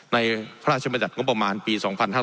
ในพระราชบัติธรรมประมาณปี๒๕๖๕